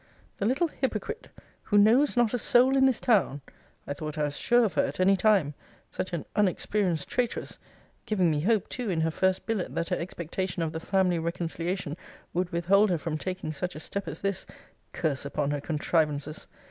The little hypocrite, who knows not a soul in this town, [I thought I was sure of her at any time,] such an unexperienced traitress giving me hope too, in her first billet, that her expectation of the family reconciliation would withhold her from taking such a step as this curse upon her contrivances!